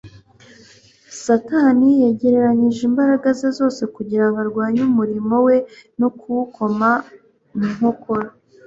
Satani yegeranyije imbaraga ze zose kugira ngo arwanye umurimo we no kuwukoma mu nkokora.